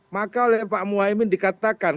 maka oleh pak muhaymin dikatakan